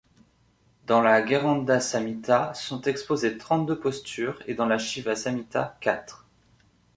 Dans la Gueranda Samhita sont exposées trente-deux postures et dans la Shiva Samhita quatre.